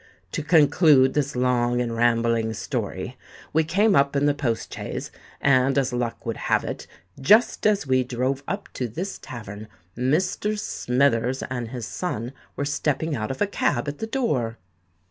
To conclude this long and rambling story, we came up in the post chaise; and, as luck would have it, just as we drove up to this tavern, Mr. Smithers and his son were stepping out of a cab at the door."